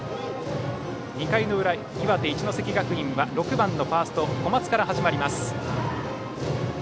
２回の裏、岩手・一関学院は６番のファースト小松から始まります。